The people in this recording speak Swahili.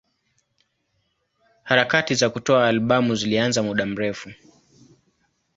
Harakati za kutoa albamu zilianza muda mrefu.